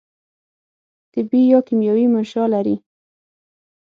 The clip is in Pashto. طبي یا کیمیاوي منشأ لري.